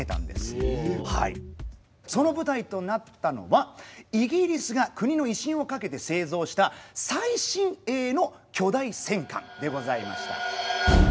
その舞台となったのはイギリスが国の威信をかけて製造した最新鋭の巨大戦艦でございました。